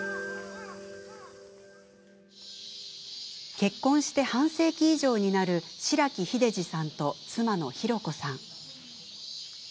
結婚して半世紀以上になる白木英司さんと妻の洪子さん。